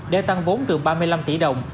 đeo tăng vốn từ ba mươi năm tỷ đồng